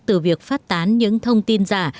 từ việc phát tán những thông tin giả